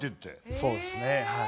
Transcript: そうですねはい。